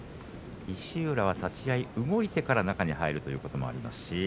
石浦は立ち合い動いてから中に入ることもあります。